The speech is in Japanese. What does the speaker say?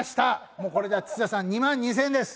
もうこれでは土田さん２万２０００円です。